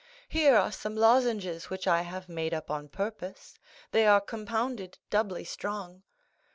Here are some lozenges which I have made up on purpose; they are compounded doubly strong."